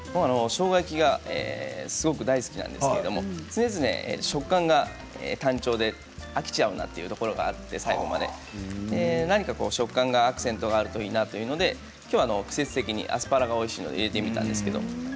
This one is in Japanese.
しょうが焼きがすごく大好きなんですけど常々、食感が単調で飽きてしまうというところがあって最後、まで何か食感がアクセントがあるといいなと思ってきょうは季節的にアスパラがおいしいので入れてみました。